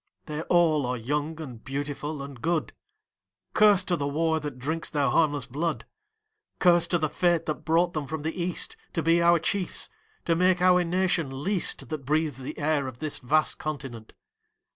They all are young and beautiful and good; Curse to the war that drinks their harmless blood. Curse to the fate that brought them from the East To be our chiefs to make our nation least That breathes the air of this vast continent.